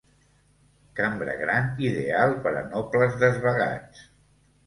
Cambra gran ideal per a nobles desvagats.